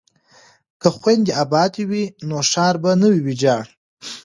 که خویندې ابادې وي نو ښار به نه وي ویجاړ.